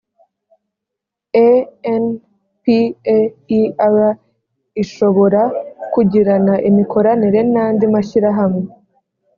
a n p a e r ishobora kugirana imikoranire n’andi mashyirahamwe